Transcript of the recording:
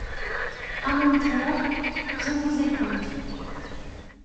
À mon tour, je vous écoute.